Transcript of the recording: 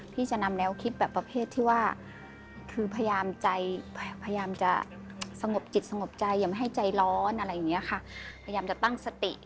จะนำแนวคิดแบบประเภทที่ว่าคือพยายามใจพยายามจะสงบจิตสงบใจอย่าไม่ให้ใจร้อนอะไรอย่างเงี้ยค่ะพยายามจะตั้งสติ